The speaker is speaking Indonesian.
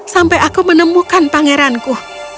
sampai aku menemukan pangeranku